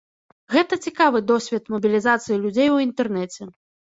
Гэта цікавы досвед мабілізацыі людзей у інтэрнэце.